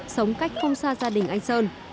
sống cách không xa gia đình anh sơn